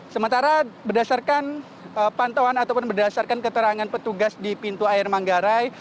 sementara berdasarkan pantauan ataupun berdasarkan keterangan petugas di pintu air manggarai